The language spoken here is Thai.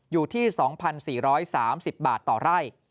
อยู่ที่๒๔๓๐บาทต่อไร่